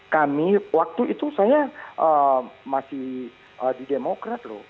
kami waktu itu saya masih di demokrat loh